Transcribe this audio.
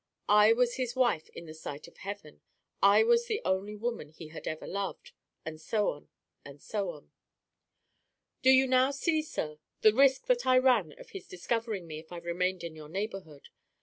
I was his wife in the sight of Heaven; I was the only woman he had ever loved; and so on, and so on. "Do you now see, sir, the risk that I ran of his discovering me if I remained in your neighborhood?